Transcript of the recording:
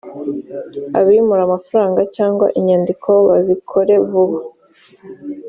abimura amafaranga cyangwa inyandiko babikore vuba